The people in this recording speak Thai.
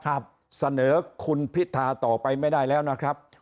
ครับเสนอคุณพิธาต่อไปไม่ได้แล้วนะครับ